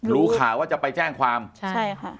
รู้ข่าวว่าจะไปแจ้งความใช่ค่ะ